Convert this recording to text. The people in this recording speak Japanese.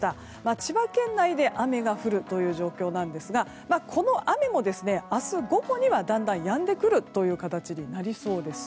千葉県内で雨が降るという状況なんですがこの雨も明日午後にはだんだんやんでくる形になりそうです。